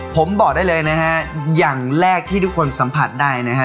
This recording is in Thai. ผมบอกได้เลยนะฮะอย่างแรกที่ทุกคนสัมผัสได้นะฮะ